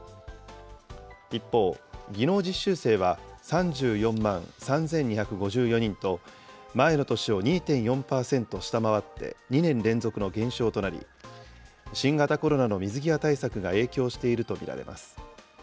一方、技能実習生は３４万３２５４人と、前の年を２．４％下回って、２年連続の減少となり、新型コロナの水際対策が影響していると見られます。